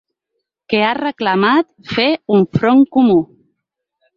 Que ha reclamat fer un front comú.